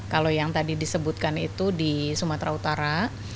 kalau yang tadi disebutkan itu di sumatera utara